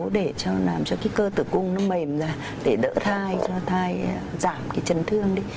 để làm cho cơ tử cung mềm ra để đỡ thai cho thai giảm trần thương đi